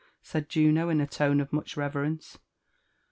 said Juno in a tone of much reverence.